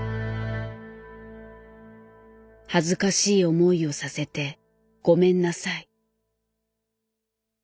「恥ずかしい思いをさせてごめんなさい」。